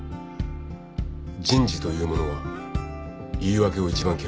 人事というものは言い訳を一番嫌う。